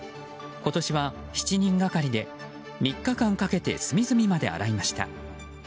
今年は７人がかりで３日間かけて隅々まで洗いました。